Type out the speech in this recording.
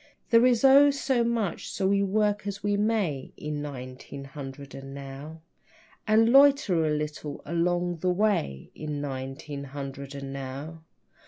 There is oh, so much, so we work as we may In nineteen hundred and now, And loiter a little along the way In nineteen hundred and now.